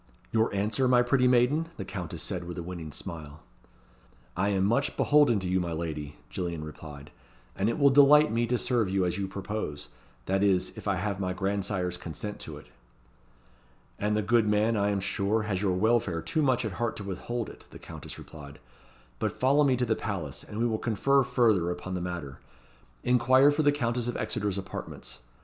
"Your answer, my pretty maiden?" the Countess said, with a winning smile. "I am much beholden to you, my lady," Gillian replied, "and it will delight me to serve you as you propose that is, if I have my grandsire's consent to it." "And the good man, I am sure, has your welfare too much at heart to withhold it," the Countess replied. "But follow me to the palace, and we will confer further upon the matter. Inquire for the Countess of Exeter's apartments."